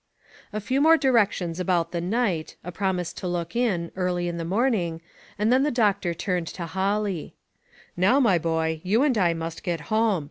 A few more directions about the night, a promise to look in, early in the morning, and then the doctor turned to Holly :" Now, my boy, you and I must get home.